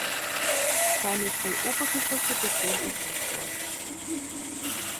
Seine drei Obergeschosse bestehen aus Fachwerk.